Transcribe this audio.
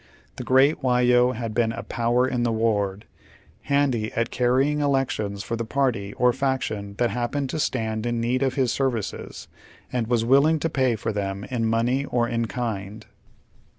The great Whyo had been a " power in the ward," handy at carrying elections for the party or faction that happened to stand in need of his services and was willing to pay for them in money or in bind.